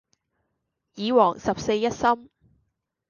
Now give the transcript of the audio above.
耳王十四一心